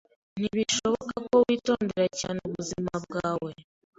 Ntibishoboka ko witondera cyane ubuzima bwawe.